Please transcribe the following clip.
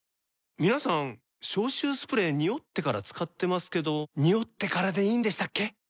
皆さん消臭スプレーニオってから使ってますけどニオってからでいいんでしたっけ？